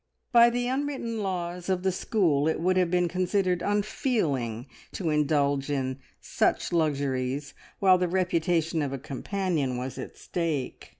By the unwritten laws of the school it would have been considered unfeeling to indulge in such luxuries while the reputation of a companion was at stake.